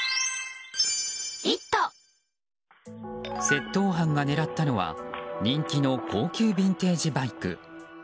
窃盗犯が狙ったのは人気の高級ビンテージバイク。